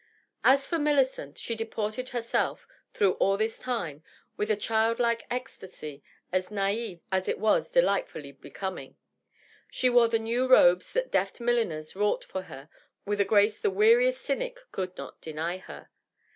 As for Millicent, she deported herself, through all this time, with a childlike ecstasy as natf as it was delightfully homing. She wore the new robes that deft milliners wrought for her with a grace the weariest cynic could not deny her.